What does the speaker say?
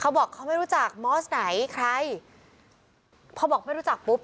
บอกเขาไม่รู้จักมอสไหนใครพอบอกไม่รู้จักปุ๊บ